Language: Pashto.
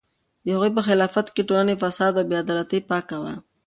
د هغوی په خلافت کې ټولنه له فساد او بې عدالتۍ پاکه وه.